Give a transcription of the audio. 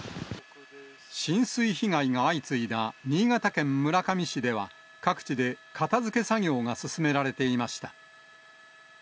浸水被害が相次いだ新潟県村上市では、各地で片づけ作業が進められていました。